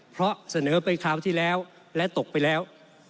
เพราะเสนอไปคราวที่แล้วและตกไปแล้ว